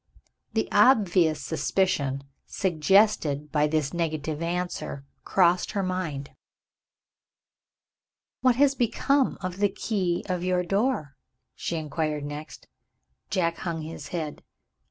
The obvious suspicion, suggested by this negative answer, crossed her mind. "What has become of the key of your door?" she inquired next. Jack hung his head.